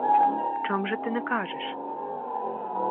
Чом же ти не кажеш?